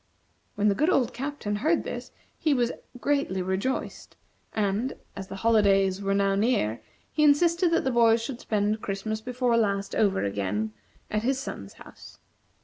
When the good old Captain heard this he was greatly rejoiced, and, as the holidays were now near, he insisted that the boys should spend Christmas before last over again, at his son's house.